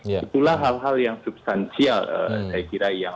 itulah hal hal yang substansial saya kira yang